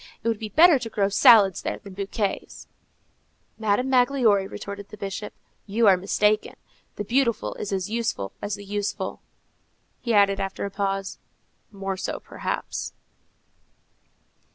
It would be better to grow salads there than bouquets." "Madame Magloire," retorted the Bishop, "you are mistaken. The beautiful is as useful as the useful." He added after a pause, "More so, perhaps."